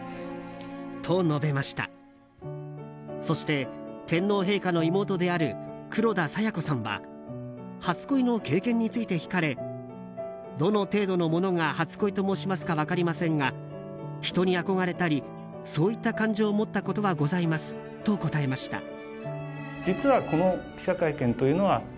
そして天皇陛下の妹である黒田清子さんは初恋の経験について聞かれどの程度のものが初恋と申しますか分かりませんが人に憧れたりそういった感情を持ったことはございますと答えました。